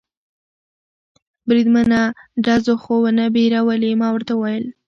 بریدمنه، ډزو خو و نه بیرولې؟ ما ورته وویل.